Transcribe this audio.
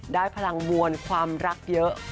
ได้พลังมวลความรักเยอะ